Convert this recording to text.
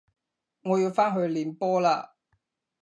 我要返去練波喇